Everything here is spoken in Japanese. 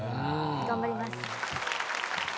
頑張ります。